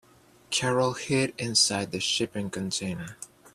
Carol hid inside the shipping container.